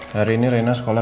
hari ini reina sekolah